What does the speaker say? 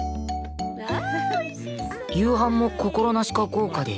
夕飯も心なしか豪華で